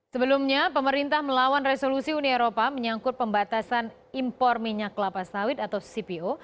sebelumnya pemerintah melawan resolusi uni eropa menyangkut pembatasan impor minyak kelapa sawit atau cpo